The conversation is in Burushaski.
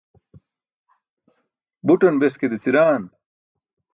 butan beske deciraan